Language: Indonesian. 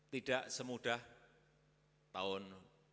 tidak semudah tahun dua ribu dua puluh satu